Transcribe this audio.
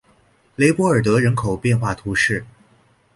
雷博尔德人口变化图示